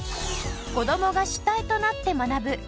子どもが主体となって学ぶ